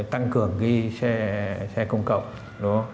tăng cường cái xe công cộng